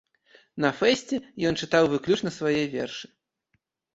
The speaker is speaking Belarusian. На фэсце ён чытаў выключна свае вершы.